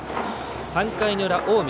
３回の裏、近江。